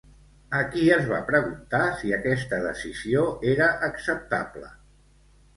A qui es va preguntar si aquesta decisió era acceptable?